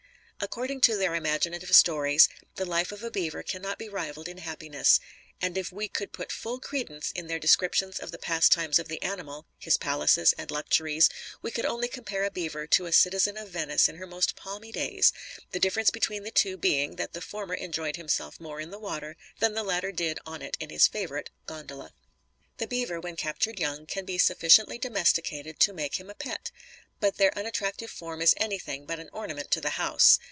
According to their imaginative stories, the life of a beaver cannot be rivaled in happiness; and if we could put full credence in their descriptions of the pastimes of the animal, his palaces and luxuries, we could only compare a beaver to a citizen of Venice in her most palmy days the difference between the two being, that the former enjoyed himself more in the water than the latter did on it in his favorite gondola. The beaver, when captured young, can be sufficiently domesticated to make him a pet; but their unattractive form is anything but an ornament to the house.